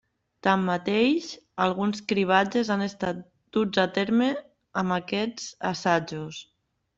Tanmateix, alguns cribratges han estat duts a terme amb aquests assajos.